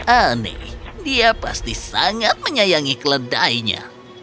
aneh dia pasti sangat menyayangi keledainya